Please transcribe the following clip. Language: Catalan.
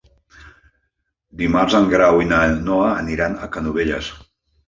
Dimarts en Grau i na Noa aniran a Canovelles.